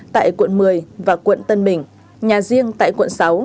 tại quận một mươi và quận tân bình nhà riêng tại quận sáu